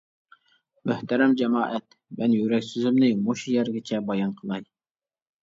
مۆھتەرەم جامائەت، مەن يۈرەك سۆزۈمنى مۇشۇ يەرگىچە بايان قىلاي.